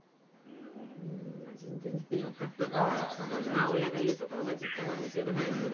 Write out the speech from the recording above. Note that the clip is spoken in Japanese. まあ親がいるところが実家なんですよね